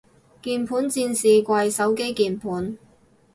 鍵盤戰士跪手機鍵盤